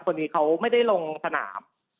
คนนี้เขาไม่ได้ลงสนาม